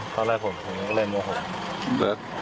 เขาไล่ผมหลายโมโห